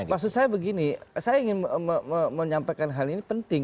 maksud saya begini saya ingin menyampaikan hal ini penting